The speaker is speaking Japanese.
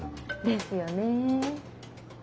ですよね。